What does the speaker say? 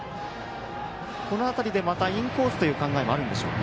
この辺りで、またインコースという考えもあるんでしょうか。